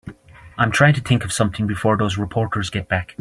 I'm trying to think of something before those reporters get back.